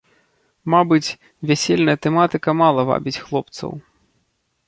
Мабыць, вясельная тэматыка мала вабіць хлопцаў.